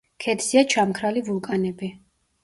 ქედზეა ჩამქრალი ვულკანები.